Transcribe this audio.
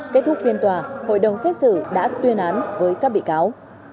kết thúc phiên tòa hội đồng xét xử đã tuyên án với các bị cáo